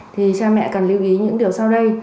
thì cha mẹ cần lưu ý những điều sau đây